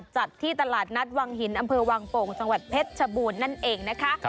จัดที่ตลาดนัดวังหินอำเภอวังโป่งจังหวัดเพชรชบูรณ์นั่นเองนะคะ